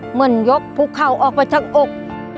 เหมือนยกพูดเข่านี่ไปทั้งออก